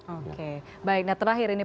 oke baik nah terakhir ini